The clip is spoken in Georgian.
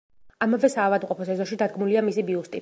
ამავე საავადმყოფოს ეზოში დადგმულია მისი ბიუსტი.